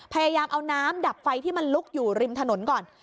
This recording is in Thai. พยายามเอาน้ำดับไฟที่มันลุกอยู่ริมถนนก่อน